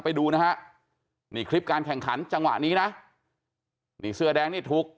ไปดูนะฮะนี่คลิปการแข่งขันจังหวะนี้นะนี่เสื้อแดงนี่ถูก